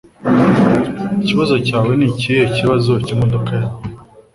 Ikibazo cyawe nikihe kibazo cyimodoka yawe?